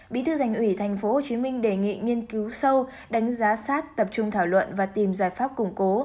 bí thư thành ủy tp hcm đề nghị nghiên cứu sâu đánh giá sát tập trung thảo luận và tìm giải pháp củng cố